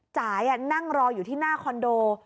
จ่ายนั่งรออยู่ที่หน้าคอนโด